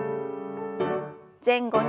前後に。